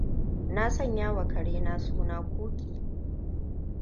Na sanya wa karena suna Cookie.